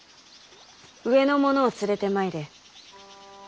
上の者を連れてまいれ。